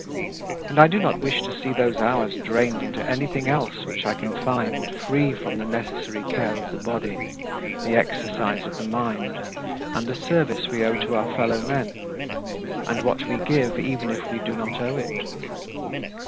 And I do not wish to see those hours drained into anything else which I can find free from the necessary care of the body, the exercise of the mind, and the service we owe to our fellow men and what we give even if we do not owe it.